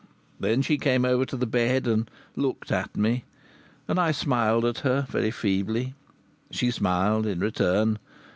Then she came over to the bed, and looked at me, and I smiled at her, very feebly. She smiled in return.